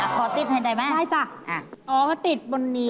ขอติดให้ได้ไหมใช่จ้ะอ๋อติดบนนี้